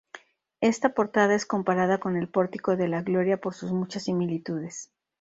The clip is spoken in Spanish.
Esta portada es comparada con el Pórtico de la Gloria por sus muchas similitudes.